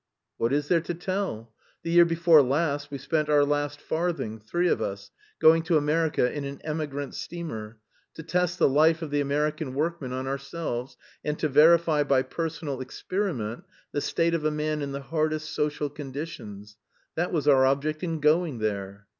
"What is there to tell? The year before last we spent our last farthing, three of us, going to America in an emigrant steamer, to test the life of the American workman on ourselves, and to verify by personal experiment the state of a man in the hardest social conditions. That was our object in going there."